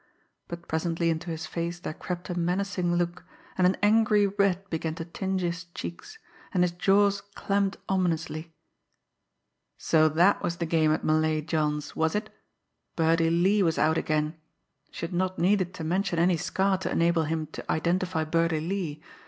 But presently into his face there crept a menacing look, and an angry red began to tinge his cheeks, and his jaws clamped ominously. So that was the game at Malay John's, was it? Birdie Lee was out again! She had not needed to mention any scar to enable him to identify Birdie Lee.